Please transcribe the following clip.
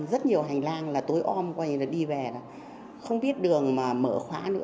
rất nhiều hành lang là tối ôm quay đi về không biết đường mà mở khóa nữa